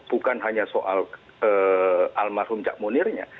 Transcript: bukan hanya soal almarhum cak munirnya